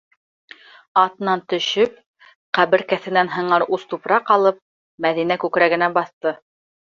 Атынан төшөп, ҡәбер кәҫенән һыңар ус тупраҡ алып, Мәҙинә күкрәгенә баҫты.